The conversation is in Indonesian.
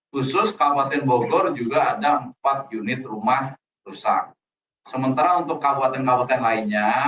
khusus kabupaten bogor juga ada empat unit rumah rusak sementara untuk kabupaten kabupaten lainnya